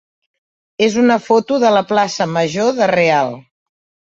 és una foto de la plaça major de Real.